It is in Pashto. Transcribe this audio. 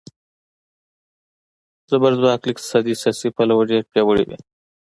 زبرځواک له اقتصادي، سیاسي پلوه ډېر پیاوړي وي.